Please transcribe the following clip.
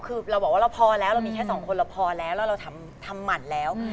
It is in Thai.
คือเราบอกว่าเราพอแล้วเรามีแค่สองคนเราพอแล้วแล้วเราทำหมั่นแล้ว